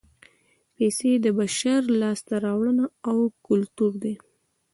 پیسې د بشر لاسته راوړنه او کولتور دی